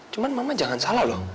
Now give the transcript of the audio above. cuma mama jangan salah loh